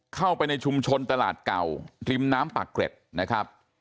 เข้าไปในชุมชนตลาดเก่าริมน้ำปากเกร็ดนะครับ